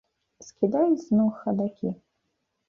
Скідай з ног хадакі!